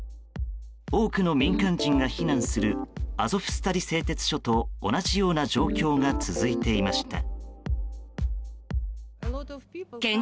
多くの民間人が避難するアゾフスタリ製鉄所と同じような状況が続いていました。